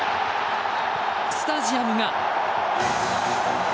スタジアムが。